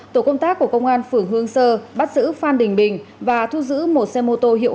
tổ công tác của công an phường hương sơ bắt giữ phan đình bình và thu giữ một xe mô tô hiệu